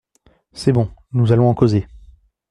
C'est bon, nous allons en causer.